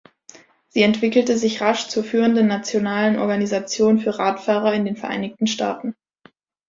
Sie entwickelte sich rasch zur führenden nationalen Organisation für Radfahrer in den Vereinigten Staaten.